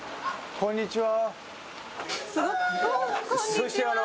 こんにちは。